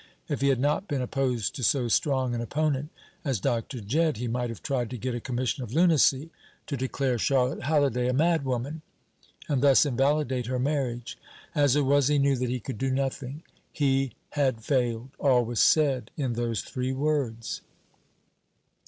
If he had not been opposed to so strong an opponent as Dr. Jedd, he might have tried to get a commission of lunacy to declare Charlotte Halliday a madwoman, and thus invalidate her marriage. As it was, he knew that he could do nothing. He had failed. All was said in those three words.